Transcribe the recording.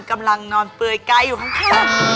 กำลังนอนเปื่อยไกลอยู่ข้างข้าง